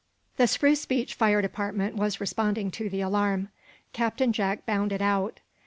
The Spruce Beach fire department was responding to the alarm. Captain Jack bounded out.